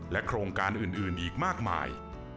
โครงการอื่นอีกมากมาย